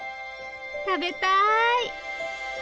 食べたい！